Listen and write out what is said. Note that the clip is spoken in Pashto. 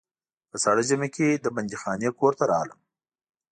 په ساړه ژمي کې له بندیخانې کور ته راغلم.